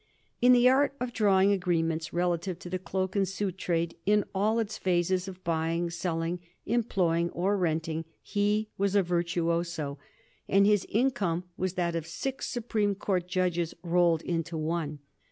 In the art of drawing agreements relative to the cloak and suit trade in all its phases of buying, selling, employing or renting, he was a virtuoso, and his income was that of six Supreme Court judges rolled into one.